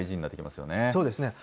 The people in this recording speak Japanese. そうですね。